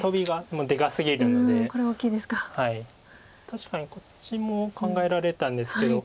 確かにこっちも考えられたんですけど。